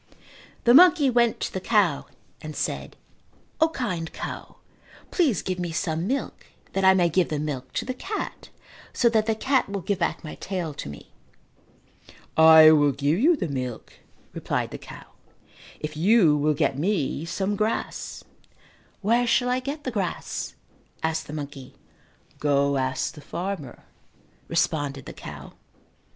The monkey went to the cow and said, "O, kind cow, please give me some milk that I may give the milk to the cat so that the cat will give back my tail to me." "I will give you the milk," replied the cow, "if you will get me some grass." "Where shall I get the grass?" asked the monkey. "Go ask the farmer," responded the cow.